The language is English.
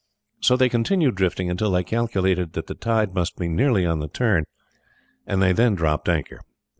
So they continued drifting until they calculated that the tide must be nearly on the turn, and they then dropped anchor.